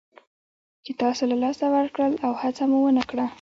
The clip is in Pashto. چې تاسو له لاسه ورکړل او هڅه مو ونه کړه.